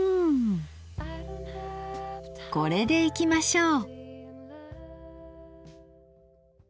これでいきましょう。